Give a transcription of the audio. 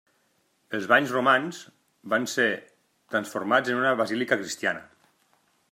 Els banys Romans van ser transformats en una basílica cristiana.